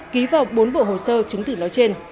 ký vào bốn bộ hồ sơ chứng tử nói trên